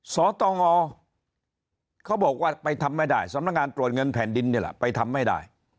สตงเขาบอกว่าไปทำไม่ได้สำนักงานตรวจเงินแผ่นดินนี่แหละไปทำไม่ได้